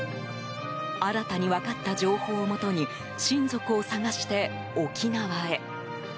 新たに分かった情報をもとに親族を探して沖縄へ。